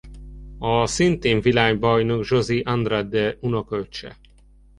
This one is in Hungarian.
A szintén világbajnok José Andrade unokaöccse.